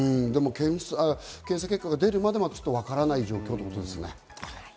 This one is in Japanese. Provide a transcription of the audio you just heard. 検査結果が出るまでわからない状況ということですね。